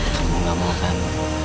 kamu gak makan